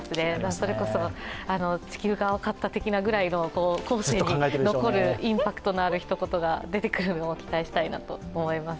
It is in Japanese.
それこそ地球は青かったくらいの後世に残るようなインパクトのある一言が出てくるのを期待したいと思います。